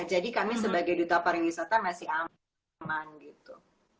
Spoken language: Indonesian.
jadi kami sebagai duta pariwisata masih aman gitu